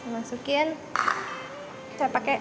saya pakai satu cup kecap manis